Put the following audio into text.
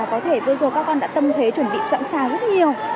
có thể bây giờ các con đã tâm thế chuẩn bị sẵn sàng rất nhiều